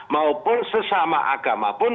maupun sesama agama pun